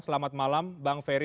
selamat malam bang ferry